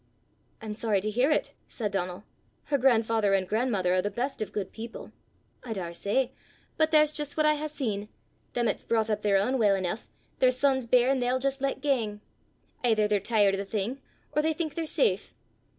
"I'm sorry to hear it!" said Donal. "Her grandfather and grandmother are the best of good people." "I daursay! But there's jist what I hae seen: them 'at 's broucht up their ain weel eneuch, their son's bairn they'll jist lat gang. Aither they're tired o' the thing, or they think they're safe.